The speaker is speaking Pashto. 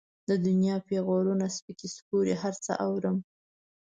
د دنيا پېغورونه، سپکې سپورې هر څه اورم.